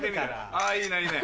あぁいいねいいね。